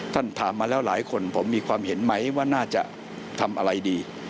ถามมาแล้วหลายคนผมมีความเห็นไหมว่าน่าจะทำอะไรดี